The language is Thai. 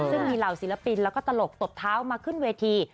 ซึ่งมีเหล่าศิลปินแล้วก็ตลกตบเท้ามาขึ้นเวที